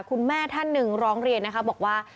คุณแม่ท่านหนึ่งร้องเรียนนะคะบอกว่า